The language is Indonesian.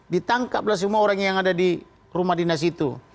ditangkaplah semua orang yang ada di rumah dinas itu